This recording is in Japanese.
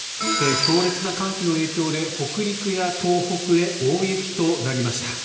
強烈な寒気の影響で東北や北陸で大雪となりました。